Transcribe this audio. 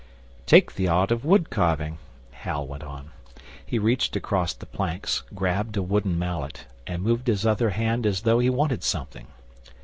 'Take the art of wood carving,' Hal went on. He reached across the planks, grabbed a wooden mallet, and moved his other hand as though he wanted something.